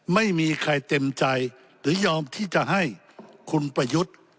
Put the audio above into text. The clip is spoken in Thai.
ไม่มีใครเต็มใจหรือยอมที่จะให้คุณประยุทธ์